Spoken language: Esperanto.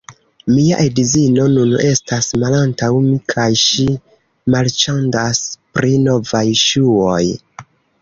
Mia edzino nun estas malantaŭ mi kaj ŝi marĉandas pri novaj ŝuoj